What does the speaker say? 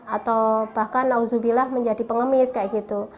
atau bahkan auzubillah menjadi pengemis kayak gitu